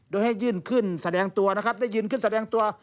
โดยให้ยื่นขึ้นแสดงตัว